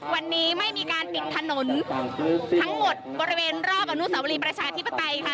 วันนี้ไม่มีการปิดถนนทั้งหมดบริเวณรอบอนุสาวรีประชาธิปไตยค่ะ